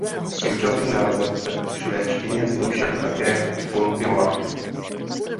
Současný název ve švédštině zní však také Kontiolahti.